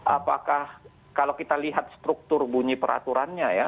apakah kalau kita lihat struktur bunyi peraturannya ya